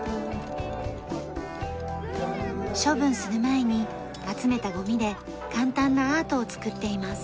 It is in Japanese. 処分する前に集めたゴミで簡単なアートを作っています。